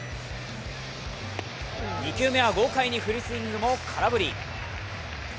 ２球目は豪快にフルスイングも空振り。